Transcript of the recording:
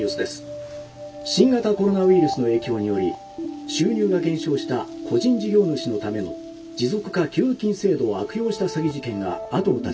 新型コロナウイルスの影響により収入が減少した個人事業主のための持続化給付金制度を悪用した詐欺事件が後を絶ちません。